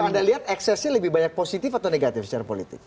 kalau anda lihat eksesnya lebih banyak positif atau negatif secara politik